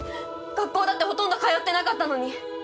学校だってほとんど通ってなかったのに。